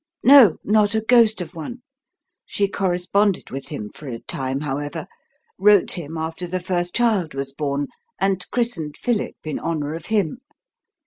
"No, not a ghost of one. She corresponded with him for a time, however wrote him after the first child was born and christened 'Philip' in honour of him.